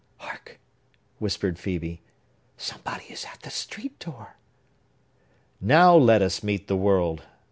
"Hark!" whispered Phœbe. "Somebody is at the street door!" "Now let us meet the world!"